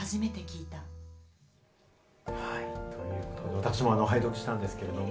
私も拝読したんですけれども。